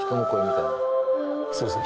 そうですね。